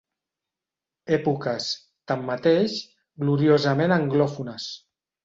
Èpoques, tanmateix, gloriosament anglòfones.